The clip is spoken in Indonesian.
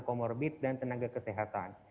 comorbid dan tenaga kesehatan